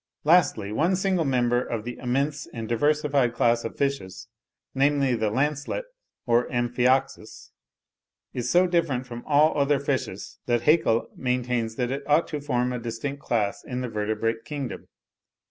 Lastly, one single member of the immense and diversified class of fishes, namely, the lancelet or amphioxus, is so different from all other fishes, that Haeckel maintains that it ought to form a distinct class in the vertebrate kingdom.